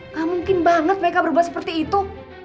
nggak mungkin banget meka berbual seperti itu